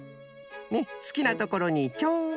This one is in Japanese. ねっすきなところにチョン。